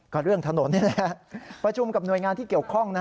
ก็เรื่องถนนนี่แหละประชุมกับหน่วยงานที่เกี่ยวข้อง